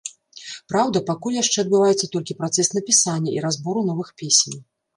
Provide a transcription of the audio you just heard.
Праўда, пакуль яшчэ адбываецца толькі працэс напісання і разбору новых песень.